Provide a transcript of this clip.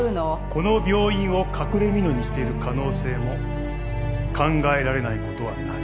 この病院を隠れみのにしている可能性も考えられない事はない。